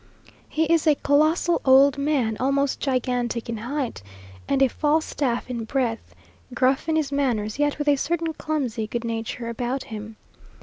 He is a colossal old man, almost gigantic in height, and a Falstaff in breadth gruff in his manners, yet with a certain clumsy good nature about him.